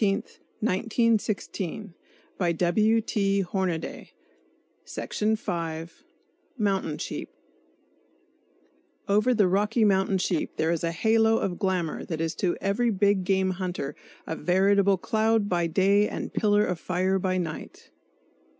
Mountain Sheep [Illustration: MOUNTAIN SHEEP] Over the Rocky Mountain sheep there is a halo of glamour that is to every big game hunter a veritable cloud by day and pillar of fire by night.